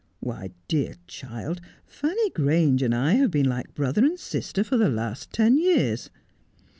' Why, dear child, Fanny Grange and I have been like brother and sister for the last ten years.